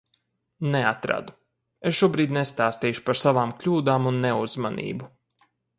Neatradu. Es šobrīd nestāstīšu par savām kļūdām un neuzmanību.